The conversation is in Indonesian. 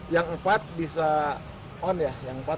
yang empat bisa on ya